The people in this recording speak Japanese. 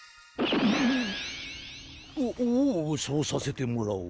おっおうそうさせてもらおう。